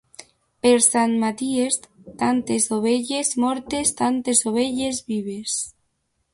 Per Sant Maties, tantes ovelles mortes, tantes ovelles vives.